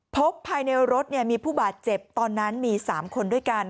พบภายในรถมีผู้บาดเจ็บตอนนั้นมี๓คนด้วยกัน